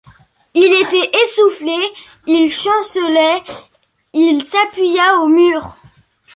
Il était essoufflé, il chancelait, il s’appuya au mur.